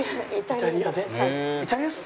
イタリアで？